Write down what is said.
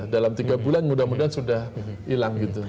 dalam tiga bulan mudah mudahan sudah hilang gitu